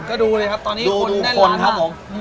ก็ดูเลยครับตอนนี้คนได้ร้านครับดูคนครับผม